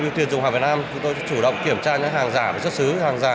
ưu tiên dùng hàng việt nam chúng tôi chủ động kiểm tra những hàng giả về xuất xứ hàng giả